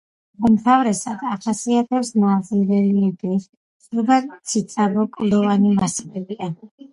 უმთავრესად ახასიათებს ნაზი რელიეფი, ზოგან ციცაბო კლდოვანი მასივებია.